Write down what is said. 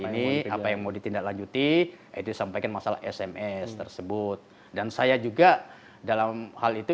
ini apa yang mau ditindaklanjuti itu sampaikan masalah sms tersebut dan saya juga dalam hal itu